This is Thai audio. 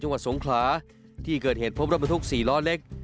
จังหวัดสงขลาที่เกิดเหตุพบรถบรรทุก๔ล้อเล็ก